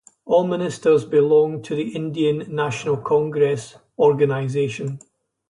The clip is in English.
All ministers belonged to the Indian National Congress (Organisation).